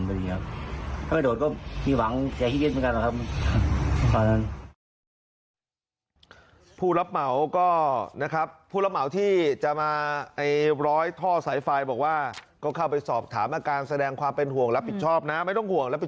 ถ้าไม่โดดก็มีหวังเสียฮิวเย็นเหมือนกันนะครับ